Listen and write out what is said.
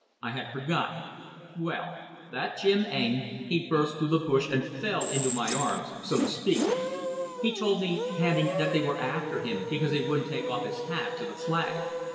I had forgotten. Well, that Jim Eng, he burst through the bush and fell into my arms, so to speak. He told me, panting, that they were after him because he wouldn't take off his hat to the flag.